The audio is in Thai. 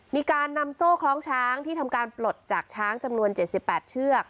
มีการนำโซ่คล้องช้างที่ทำการปลดจากช้างจำนวน๗๘เชือก